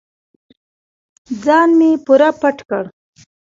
ځان مې پوره پټ کړ.